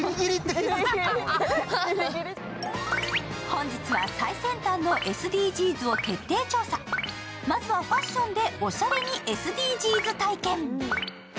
本日は、最先端のＳＤＧｓを徹底調査まずはファッションでおしゃれにＳＤＧｓ体験。